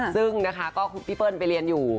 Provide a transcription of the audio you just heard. ซึ่งพี่เปิ้ลไปเรียนอยู่